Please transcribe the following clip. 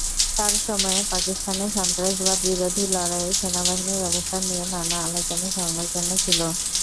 তাঁর সময়ে পাকিস্তানের সন্ত্রাসবাদবিরোধী লড়াইয়ে সেনাবাহিনীর অবস্থান নিয়ে নানা আলোচনা-সমালোচনা ছিল।